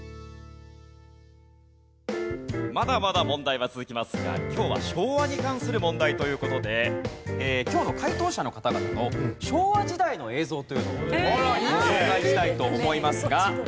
まだまだ問題は続きますが今日は昭和に関する問題という事で今日の解答者の方々の昭和時代の映像というのをご紹介したいと思いますが。